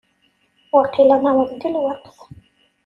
Waqil ad naweḍ deg lweqt.